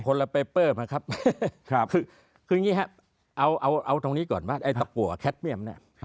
คนละไปเปิ้ลนะครับคืออย่างงี้ฮะเอาตรงนี้ก่อนป่ะไอ้ตะกัวแคทเมี่ยมเนี่ย